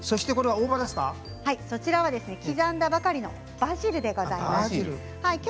刻んだばかりのバシルでございます